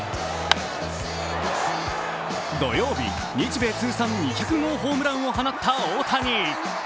土曜日、日米通算２００号ホームランを放った大谷。